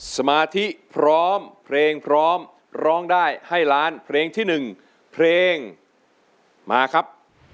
สมาธิพร้อมเพลงพร้อมร้องได้ให้ล้านเพลงที่๑เพลงมาครับ